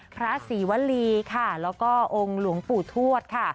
พระศรีวรีค่ะแล้วก็องค์หลวงปู่ทวดค่ะ